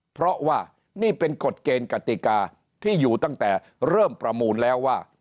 เพราะว่านี่เป็นกฎเกณฑ์กติกาที่อยู่ตั้งแต่เริ่มประมูลแล้วว่า